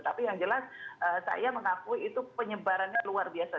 tapi yang jelas saya mengakui itu penyebarannya luar biasa